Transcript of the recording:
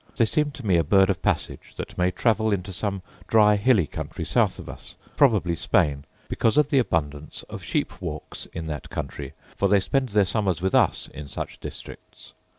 They seem to me a bird of passage that may travel into some dry hilly country south of us, probably Spain, because of the abundance of sheep walks in that country; for they spend their summers with us in such districts.